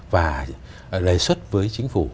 và lề xuất với chính phủ